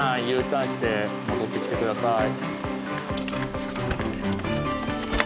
Ｕターンして戻ってきてください。